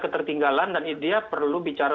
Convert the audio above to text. ketertinggalan dan dia perlu bicara